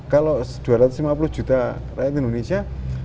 kalau dua ratus lima puluh juta rakyat indonesia